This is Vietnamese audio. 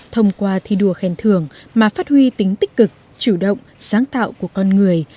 thông qua thi đua khen thưởng mà phát huy tính tích cực chủ động sáng tạo của con người